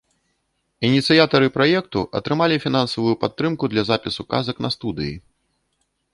Ініцыятары праекту атрымалі фінансавую падтрымку для запісу казак на студыі.